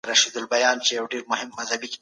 بازار موندنه د عصري سوداګرۍ اساس دی.